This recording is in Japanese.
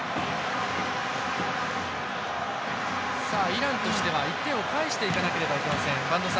イランとしては１点を返していかなければいけない一戦。